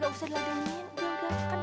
gak usah gada gadain